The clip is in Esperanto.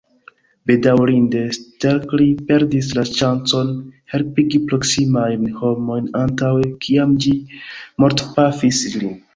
Bedaŭrinde, Stelkri perdis la ŝancon helpigi proksimajn homojn antaŭe kiam ĝi mortpafis ilin.